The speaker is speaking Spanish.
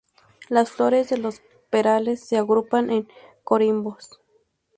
Las flores de los perales se agrupan en corimbos.